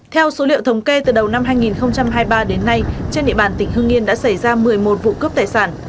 theo số liệu thống kê từ đầu năm hai nghìn hai mươi ba đến nay trên địa bàn tỉnh hương yên đã xảy ra một mươi một vụ cướp tài sản